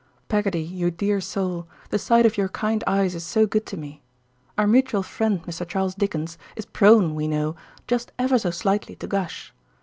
Peggotty, you dear soul, the sight of your kind eyes is so good to me. Our mutual friend, Mr. Charles Dickens, is prone, we know, just ever so slightly to gush.